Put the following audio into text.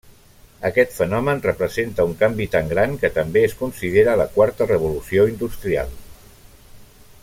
Aquest fenomen representa un canvi tan gran que també es considera la quarta revolució industrial.